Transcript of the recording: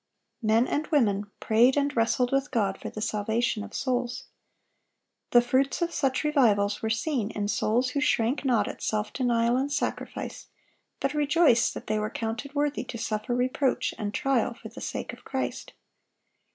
Men and women prayed and wrestled with God for the salvation of souls. The fruits of such revivals were seen in souls who shrank not at self denial and sacrifice, but rejoiced that they were counted worthy to suffer reproach and trial for the sake of Christ.